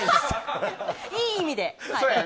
いい意味でです。